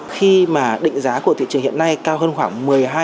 khi mà định giá của thị trường hiện nay cao hơn khoảng một mươi hai